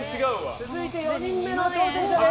続いて４人目の挑戦者です。